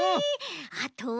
あとは。